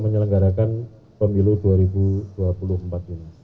menyelenggarakan pemilu dua ribu dua puluh empat ini